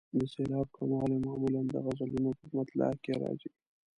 د سېلاب کموالی معمولا د غزلونو په مطلع کې راځي.